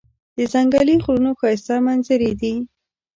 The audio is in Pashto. د ځنګلي غرونو ښایسته منظرې دي.